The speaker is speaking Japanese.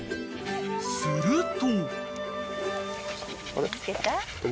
［すると］